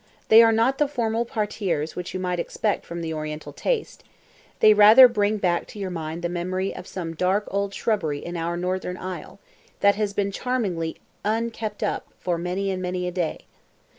They are not the formal parterres which you might expect from the Oriental taste; they rather bring back to your mind the memory of some dark old shrubbery in our northern isle, that has been charmingly un—"kept up" for many and many a day.